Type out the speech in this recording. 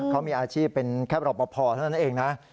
เขามีอาชีพเป็นแค่รอปภเท่านั้นเองนะ